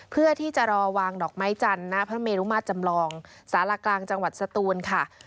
เพื่อที่จะรอวางดอกไม้จันทร์หน้าพระเมรุมาตรจำลองสารกลางจังหวัดสตูนค่ะ